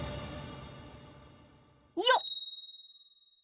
よっ！